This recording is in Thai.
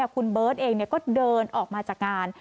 คุณเบิร์ตเองก็เดินออกมาจากงาน